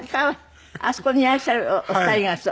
あそこにいらっしゃるお二人がそう？